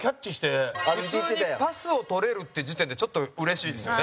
豊本：普通にパスを取れるって時点でちょっとうれしいですよね。